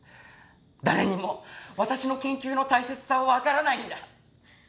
誰にも私の研究の大切さはわからないんだ。